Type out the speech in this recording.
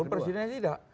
walaupun presidennya tidak